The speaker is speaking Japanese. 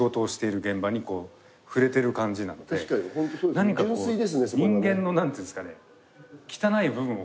何かこう人間のなんていうんですかね